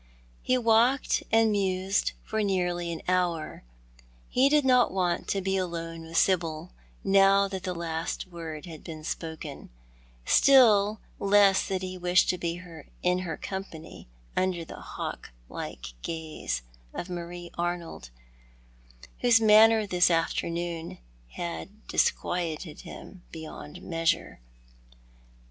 Ho walked and mused for nearly an hour. He did not want to be alone with Sibyl now that the last word bad been spoken ; still less did he wish to be in her company under the hawk like gazo of Mario Arnold, whose manner this afternoon had dis quieted him beyond measure.